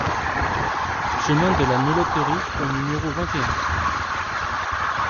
Chemin de la Melotterie au numéro vingt et un